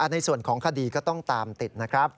ในส่วนของคดีก็ต้องตามติดนะครับ